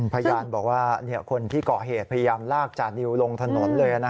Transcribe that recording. พยานบอกว่าคนที่ก่อเหตุพยายามลากจานิวลงถนนเลย